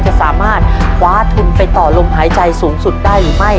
จะสามารถคว้าทุนไปต่อลมหายใจสูงสุดได้หรือไม่